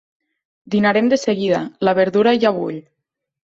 Dinarem de seguida: la verdura ja bull.